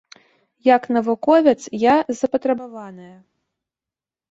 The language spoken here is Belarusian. Як навуковец я запатрабаваная.